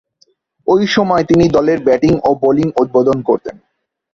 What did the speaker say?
ঐ সময়ে তিনি দলের ব্যাটিং ও বোলিং উদ্বোধন করতেন।